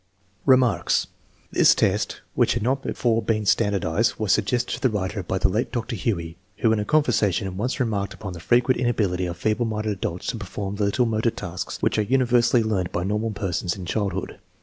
Remarks. This test, which had not before been stand ardized, was suggested to the writer by the late Dr. Huey, who in a conversation once remarked upon the frequent inability of feeble minded adults to perform the little motor tasks which are universally learned by normal persons in childhood.